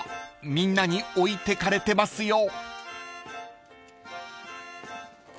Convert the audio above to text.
［みんなに置いてかれてますよ］